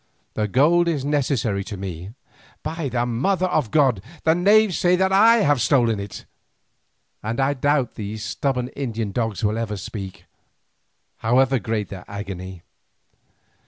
The gold is necessary to me—by the Mother of God! the knaves say that I have stolen it!—and I doubt these stubborn Indian dogs will ever speak, however great their agony.